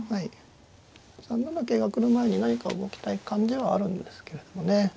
３七桂が来る前に何か動きたい感じはあるんですけれどもね。